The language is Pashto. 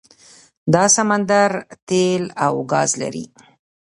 دا سمندر تیل او ګاز لري.